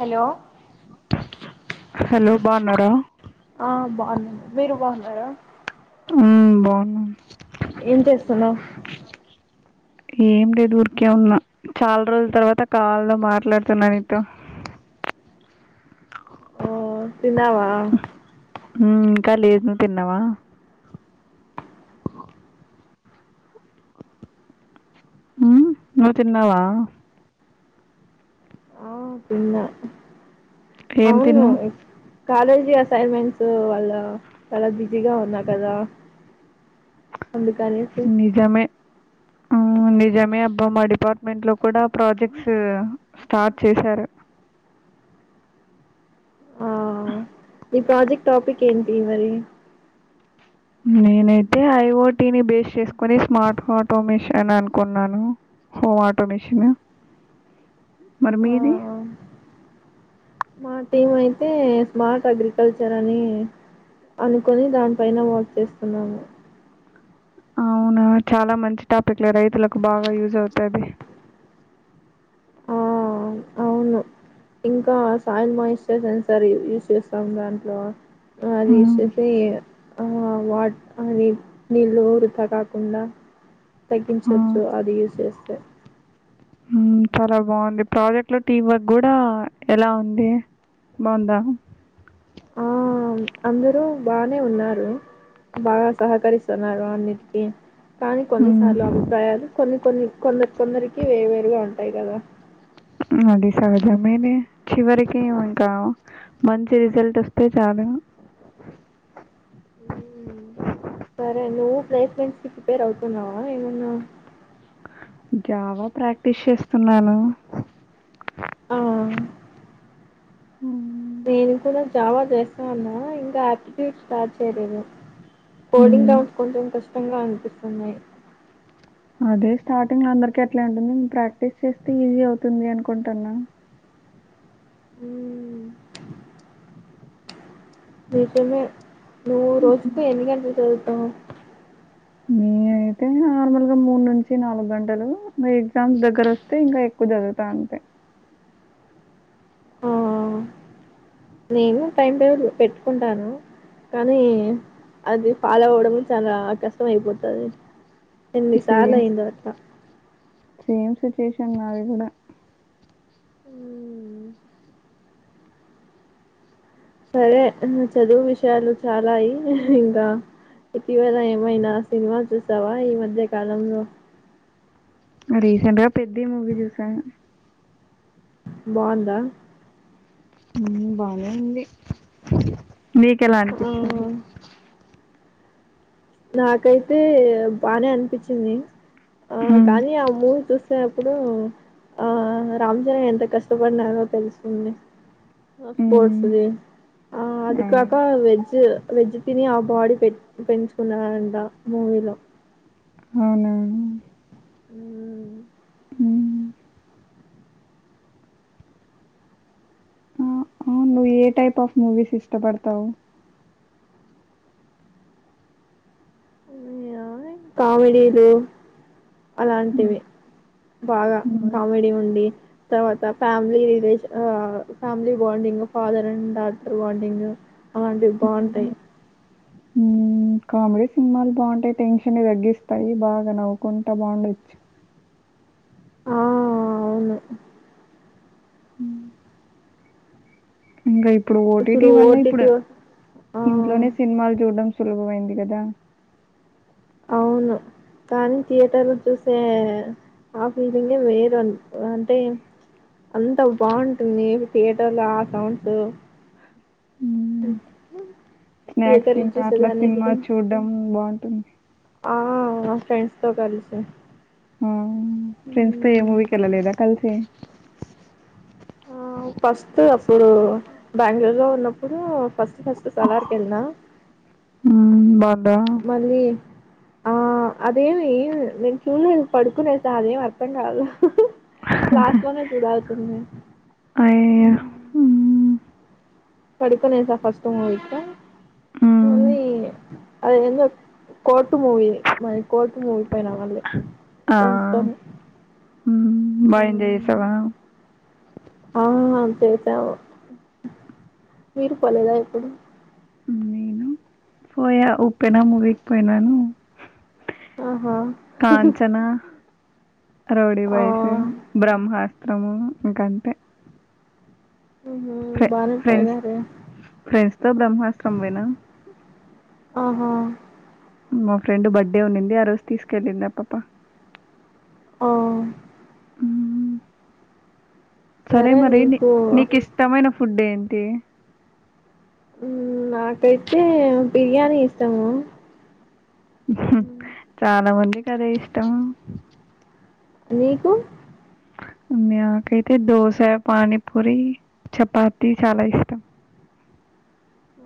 Hello hello బాన్నారా ఆ బాగున్నాను మీరు బాగున్నారా హ్మ్ బోనాను ఏం చేస్తునవ్ ఏమి లేదు ఊరికే ఉన్నా చాలా రోజుల తర్వాత కాల్లో మాట్లాడుతున్నాను నితో అ అ తిన్నావా అ ఇంకా లేదు నువ్ తిన్నావా ఉ నువ్వు తిన్నావా తిన్న ఏం తిన్నావ్ కాలేజీ అసైన్మెంట్స్ వాళ్ళ చాలా బిజీగా ఉన్నా కదా అందుకనేసి అవును నిజమే అబ్బా మా డిపార్ట్మెంట్ లో కూడా ప్రాజెక్ట్స్ స్టార్ట్ చేశారు ఈ ప్రాజెక్ట్ టాపిక్ ఏంటి మరి నేనైతే ఐఓటీ ని బేస్ చేసుకుని స్మార్ట్ ఆటోమేషన్ అనుకున్నాను హో ఆటో మిషిన్ మరి ఆ మీది మా టీమ్ అయితే స్మార్ట్ అగ్రికల్చర్ అని అనుకొని దానిపైన వర్క్ చేస్తున్నాము అవునా చాలా మంచి టాపిక్లే రైతులకు బాగా యూజ్ అవుతాది [inaudible] ఆ అవును ఇంకా సైమహస్ సెన్సర్ యూజ్ చేస్తాం దాంట్లో అది యూజ్ చేసి ఆ వాట్ అని నీళ్ళ ఉరిపడకుండా ఆ! తగ్గించచ్చు అది యూజ్ చేస్తే హ్మ్ చాలా బాగుంది ప్రాజెక్ట్ లో టీం వర్క్ కూడా ఎలా ఉంది బొంద ఆ అందరూ బానే ఉన్నారు బాగా సహకరిస్త అన్నిటికీ కానీ హ్మ్. కొన్నిసార్లు అభిప్రాయాలు కొన్ని కొన్ని కొందరు కొందరికి వేరుగా ఉంటాయి కదా అ అది సహజమేనే చివరికి ఇంకా మంచి రిజల్ట్ వస్తే చాలు మ్మ్. [inaudible] సరే నువ్వు ప్లేస్మెంట్స్కి ప్రిపేర్ అవుతున్నావా ఏమన్నా జావా ప్రాక్టీస్ చేస్తున్నాను ఆ ఉమ్ నేను కూడా జావా చేస్తా అన్నా ఇంకా ఆప్టిట్యూడ్ స్టార్ట్ చేయలేదు కోడింగ్ హ్మ్. కొంచెం కష్టంగా అనిపిస్తున్నాయి అదే స్టార్టింగ్ లో అందరికి అట్లే అర్ద ప్రాక్టీస్ చేస్తే ఈజీ అవుతుంది అనుకుంటున్నా హ్మ్ నిజమే నువ్వు రోజుకు ఎన్ని గంటలు చదువుతావు నే అయితే నార్మల్ గా మూడు నుంచి నాలుగు గంటలు ఎగ్జామ్స్ దగ్గర వస్తే ఇంకా ఎక్కువ చదువుత అంతే [inaudible] ఆ నేను టైం టేబుల్ పెట్టుకుంటాను కానీ అది ఫాలో అవ్వడం చాలా కష్టం అయిపోతది ఎన్ని సార్లు సేమ్, అయింది ఎగ్జామ్ అట్లా సేమ్ సిచ్యువేషన్ నాది కూడా హ్మ్ సరే చదువు విషయాలు చాలాయి ఇంకా ఇటివేళ ఏమైనా సినిమా చూసావ ఈ మధ్య కాలంలో రీసెంట్గా పెద్ది మూవీ చూసాను బాందా మ్ బానే ఉంది మీకు ఎలా ఆ అనిపించింది నాకైతే బానే అనిపించింది ఆ మ్మ్ కానీ ఆ మూవీ చూస్ సే అప్పుడు ఆ రామ్చరణ్ ఎంత కష్టపడినారో తెలుస్తుంది అ పోడ్స్స్తది. మ్మ్ ఆ అది కాక వెజ్ వెజ్ తిని ఆ బాడి పె పెంచు అంద మూవీలో అవునా హ్మ్ మ్మ్ ఆ అవును నువ్ ఏ టైప్ ఆఫ్ మూవీస్ ఇష్టపడతావు నేన కామెడిలు అలాంటివి బాగా కామెడీ ఉండి తర్వాత family relation family bonding father and daughter bonding అలాంటివి బావుంటాయి ఉమ్ కామెడీ సినిమాలు బావుంటాయి టెన్షన్ తగ్గిస్తాయి బాగా నవ్వుకుంటా బాండచ్చు ఆ అవును మ్ ఇంకా ఇప్పుడు ఓటీటీ వల్ల ఇప్పుడు ఆ ఇంట్లోనే సినిమాలు చూడ్డం సులభమైంది కదా అవును కానీ థియేటర్ లో చూసే ఆ ఫీలింగే వేరు అంటే అంతా బావుంటుంది థియేటర్లో ఆ సౌండ్స్ మ్మ్ చెప్పు స్నాక్స్ తింటా అట్లా సినిమా చూడ్డం బాగుంటుంది ఆ నా ఫ్రెండ్స్ తో కలిసి ఉమ్ ఫ్రెండ్స్ తో ఏ మ్మ్. మూవీకి వెళ్ళలేదా కలిసి ఆ ఫస్ట్ అప్పుడు బెంగళూరు లో ఉన్నప్పుడు ఫస్ట్ ఫస్ట్ సలార్ కి ఎల్లిన మ్మ్ బాగుందా మళ్ళీ ఆ అదేమి నేను చూడ పడుకునేసా అదేమి అర్థం కాదు లాస్ట్ దాకా చూడాల్సింది అయ్యో ఉమ్ మ్మ్ పడిపనేసా ఫస్ట్ మూవి క ఉమ్ అదేందో కోడ్ ర్టుమూవీ మై కోర్టు మూవీ పైన పడ్లే ఫ్రై ఉమ్ మైండ్ ఎసావ అవును అంతే చవు మీరు పోలేదా ఎప్పుడు నేను పోయా ఉప్పెన మువికి పోయినా ఆహా కాంచనా రౌడి ఆ వయసు, బ్రహ్మాస్త్రము ఇంకంతే ఉహు బానే పోయినరే ఫ్రెండ్స్ తో బ్రహ్మాస్త్రం పోయినా ఆహ మా ఫ్రెండ్ బర్త్డే ఉండింది ఆ రోజు తీసుకెళ్ళింది ఆ పాప్ప ఓ సరే మరి నీ నీకు ఇష్టమైన ఫుడ్ ఏంటి ఉమ్ నాకైతే బిర్యానీ ఇష్టము చాలా మందికి అదే ఇష్టం నీకు నాకైతే దోసా, పానీపూరి చపాతి చాలా ఇష్టం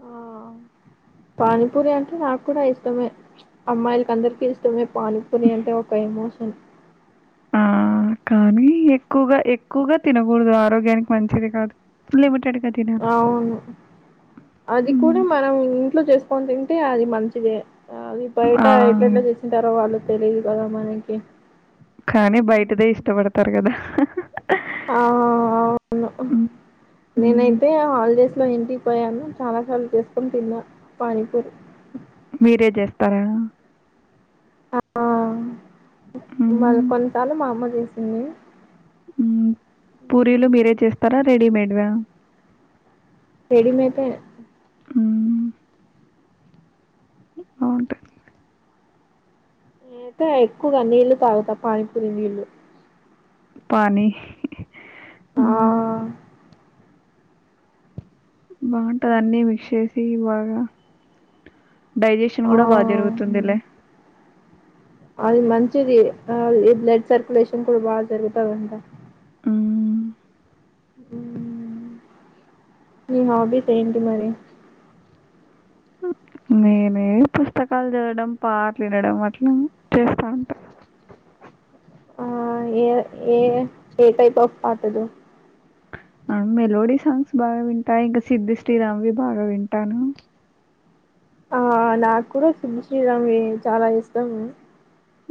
ఆ పానీపూరి అంటే నాకు కూడా ఇష్టమే అమ్మాయిలకి అందరికి ఇష్టమే పానీ పూరి అంటే ఒక ఎమోషన్ ఉమ్ కానీ ఎక్కువగా ఎక్కువగా తినకూడదు ఆరోగ్యానికి మంచిది కాదు లిమిటెడ్ అవును అది కూడా మ్మ్. మనం ఇం ట్లో చేసుకొని తింటే అది మంచిదే అది బయట ఆ ఎట్ల ఎట్లా చేసింటారో వాళ్ళు తెలిదు క్కన మనకి కానీ బయటదే ఇష్టపడతారు కదా ఆ అవును మ్మ్. మ్మ్. నేనైతే హాలిడేస్ లో ఇంటికి పోయాను చాలా సార్లు చేసుకొని తిన్నా పానీపూరి మీరే చేస్తార ఆ మళ్ళ మ్మ్. కొన్నీ సార్లు మా అమ్మ చేసింది ఉమ్ పూరీలు హ్మ్. మీరే చేస్తారా రెడీమేడ్ వా రెడేమేట్ ఏ ఉమ్ బావుంటాయి నే అయితే ఎక్కువగా నీళ్లు తాగుతా పానీపూరీ నీళ్లు పానీ ఆ హ్మ్. బాగుంటంది అన్ని మిక్స్ చేసి బాగా డైజెషన్ ఆ కూడా బా జరుగుతుందిలే అది మంచిది బ్లడ్ సర్కులేయలేషన్ కూడా బా జరుగుతాదంట ఆ మీ హాబీస్ ఏంటి మరి అ మేమే పుస్తకాలు చదవడం పాటలు వినడం అట్ల చేస్తా ఉంటామ్ గా ఆ ఏ ఏ ఏ టైప్ ఆఫ్ పాటలు ఆ మెలోడీ సాంగ్స్ బాగా వింటా ఇంకా సిద్ధి శ్రీరామ్వి బాగా వింటాను ఆ నాకు కూడా సిద్ధూ శ్రీరామ్వి చాలా ఇష్టం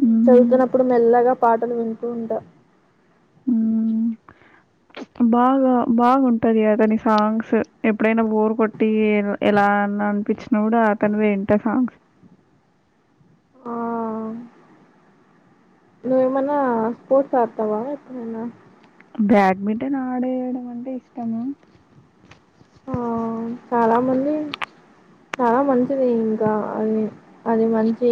హ్మ్. చదువుతున్నప్పుడు మెల్లగా పాటలు వింటూ ఉంటా ఉమ్ బాగా బాగుంటది అతని సాంగ్స్ ఎప్పుడైనా బోర్ కొట్టి ఎలాన్నా అనిపించినప్పుడు అతనివే వింటా సాంగ్స్ ఆ నువ్వు ఏమన్నా స్పోర్ట్స్ ఆడతావా ఎప్పుడైనా బ్యాడ్మింటన్ ఆడేయడం అంటే ఇష్టము ఆ చాలా మంది చాలా మంచిది ఇంకా అది అది మంచి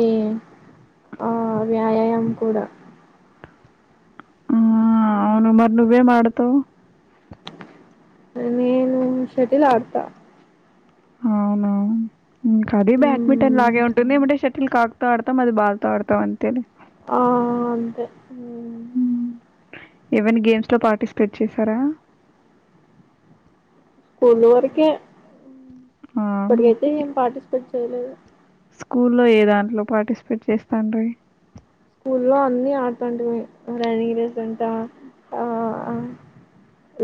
ఆ వ్యాయామ కూడా ఆ అవును మరి ఉమ్, నువ్వేవి ఆడతావు అ నేను షటిల్ ఆడత అవునా ఇంకా అది బ్యాడ్మింటన్ ఉమ్, లాగే ఉంటుంది ఏంటే షటిల్ కా ఆడతాం అది బాల్ తో ఆడతాము అంతేలే ఆ అంతే ఎవన్నా గేమ్స్ లో పార్టిసిపేట్ చేసారా స్కూల్ వరకే అవునా! ఇప్పటికైతే ఏం పార్టిసిపేట్ చేయలేదు స్కూల్లో ఏ దాంట్లో పార్టిసిపేట్ చేస్తాండ్రీ స్కూలో అన్ని అటన్టీవే రనింగ్ రేస్ంటా ఆ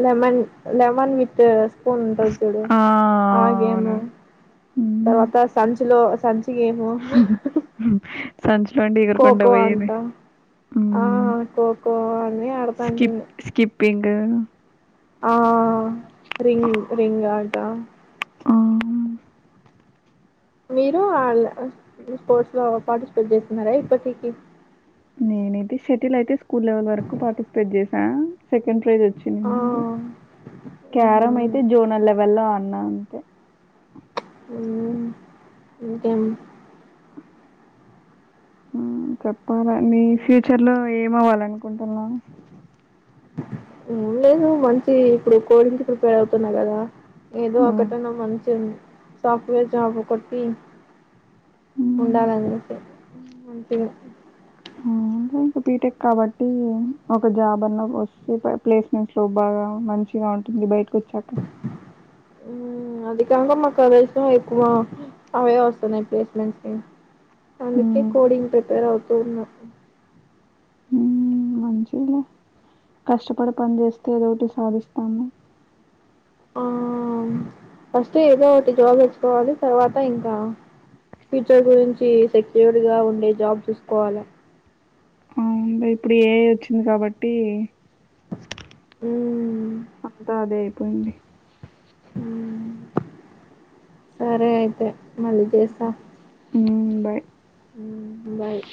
లమన్ లమన్ విత్ స్పూన్ ఉంటంది చూడు ఆ! ఆ గేమ్ అవును. హ్మ్. తర్వాత సంచిలో స గేమ్ సంచిలో నుండి ఎగురుకుంట కోకో పోయేది. అంటా ఆ హ్మ్. కోకో అన్నీ ఆడతాంటిమి అడు ఆ రింగ్ రింగ్ ఆట ఆ మీరు అల్ స్పోర్ట్స్ లో పార్టిసిపేట్ చేస్తున్నారా ఇప్పటికి నేనైతే షెటిల్ అయితే స్కూల్ లెవెల్ వరకు పార్టిసిపేట్ చేసా సెకండీ ప్రైజ్ ఆ వచ్చింది ఊహూ క్యారం అయితే జోనల్ లెవెల్ ఆడ్ డిన అంతె ఉమ్ ఇంకేమ్ ఆ చెప్పాలె నీ మ్ ఫ్యూచర్ లో ఏమి అవ్వాలనుకుంటున్నావు ఏం లేదు మంచి ఇప్పుడు కోడింగ్కి ప్రిపేర్ అవుతున్నా కదా ఏదో హ్మ్. ఒకటన్న మంచి సాఫ్ట్వేర్ జాబ్ కొట్టి హ్మ్. ఉండలీ అంతే ఉ అంటే ఇంక అవును అ ఇంక బీటెక్ కాబట్టి ఒక జాబ్ అన్నా వస్తే ప్లేస్మెంట్స్ లో బాగా మంచి గ ఉంటుంది బయటికి వచ్చాక అధికంగా మా కాలేజ్ లో ఎక్కువ అవే వస్తున్నాయి ప్లేస్మెంట్స్ కి అందుకే హ్మ్. కోడింగ్ ప్రిపేర్ అవుతూ ఉన్నా ఊ ఉ మంచిదిలే కష్టపడి పని చేస్తే ఏదోటి సాధిస్తాము ఆ ఫస్ట్ ఏదో ఒకటి జాబ్ తెచ్చుకోవాలి తర్వాత ఇంకా ఫ్యూచర్ గురించి సెక్యూర్ గా ఉండే జాబ్ చూసుకోవాల అవును లే ఇప్పుడు ఏఐ వచ్చింది కాబట్టి ఉమ్, అంత అదే అయిపోయింది సరే అయితే మళ్ళీ చేస్తా బై ఉ బాయ్